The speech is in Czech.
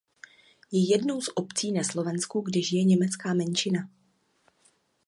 Je jednou z obcí na Slovensku kde žije německá menšina.